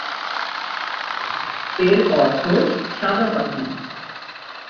এর অর্থ সাদা পাখি।